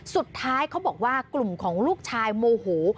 สุดท้ายเขาบอกว่ากลุ่มของลูกชายโมหู